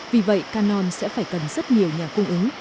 vì vậy canon sẽ phải cần rất nhiều nhà cung ứng